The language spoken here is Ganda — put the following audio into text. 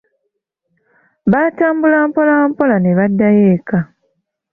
Baatambula mpolampola ne baddayo eka.